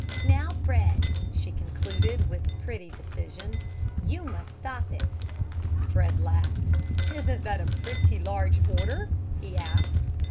"Now, Fred," she concluded, with pretty decision, "you must stop it." Fred laughed. "Isn't that a pretty large order?" he asked.